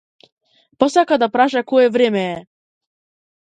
Посака да праша кое време е.